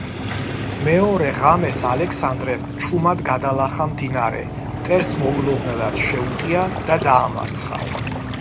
მეორე ღამეს ალექსანდრემ ჩუმად გადალახა მდინარე, მტერს მოულოდნელად შეუტია და დაამარცხა.